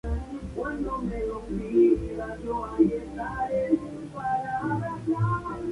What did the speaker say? Cuenta con un puesto de la Guardia Civil en la calle San Antonio.